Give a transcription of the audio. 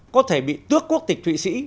có thể bị tước quốc tịch thụy sĩ